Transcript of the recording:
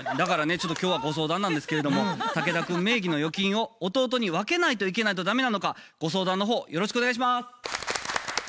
ちょっと今日はご相談なんですけれども竹田くん名義の預金を弟に分けないといけないと駄目なのかご相談の方よろしくお願いします。